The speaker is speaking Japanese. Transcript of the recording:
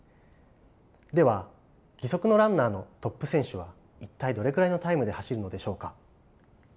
では義足のランナーのトップ選手は一体どれくらいのタイムで走るのでしょうか。